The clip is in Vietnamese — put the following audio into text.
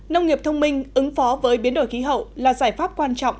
nông nghiệp thông minh ứng phó với biến đổi khí hậu là giải pháp quan trọng